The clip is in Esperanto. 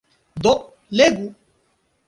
Do, legu!